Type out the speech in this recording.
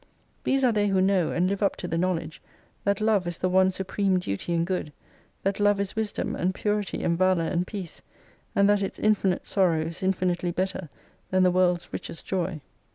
These are they who know, and live up to the knowledge, that love is the one supreme duty and good, that love is wisdom and purity and valour and peace, and that its infinite sorrow is infinitely better than the world's richest joy."